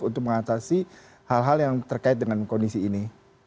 untuk mengatasi hal hal yang terkait dengan kondisi ini